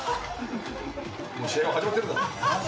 もう試合は始まってるんだ！